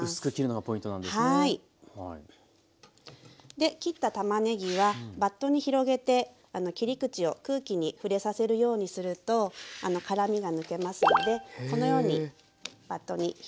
で切ったたまねぎはバットに広げて切り口を空気に触れさせるようにすると辛みが抜けますのでこのようにバットに広げて下さい。